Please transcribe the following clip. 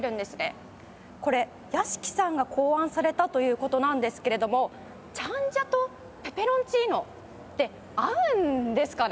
これ屋敷さんが考案されたという事なんですけれどもチャンジャとペペロンチーノって合うんですかね？